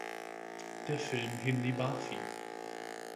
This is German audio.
Der Film Hindi Barfi!